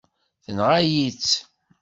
Tenɣa-yi-tt.